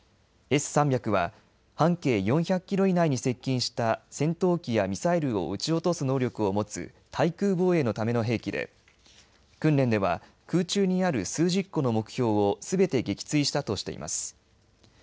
Ｓ３００は半径４００キロ以内に接近した戦闘機やミサイルを撃ち落とす能力を持つ対空防衛のための兵器で訓練では空中にある数十個の目標をすべて撃墜したとしています。